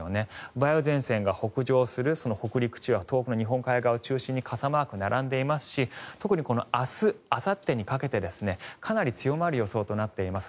梅雨前線が北上する北陸地方や東北、日本海側を中心に傘マークが並んでいますし特に明日あさってにかけてかなり強まる予想となっています。